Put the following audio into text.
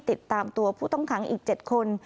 ติดตามตัวผู้ต้องขังอีก๗คน